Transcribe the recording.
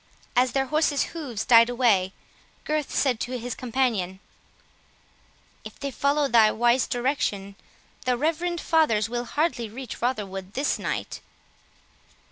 As their horses' hoofs died away, Gurth said to his companion, "If they follow thy wise direction, the reverend fathers will hardly reach Rotherwood this night."